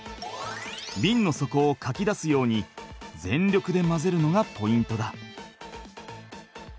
ビンの底をかき出すように全力で混ぜるのがポイントだ。